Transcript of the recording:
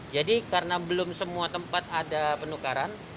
jadi karena belum semua tempat ada penukaran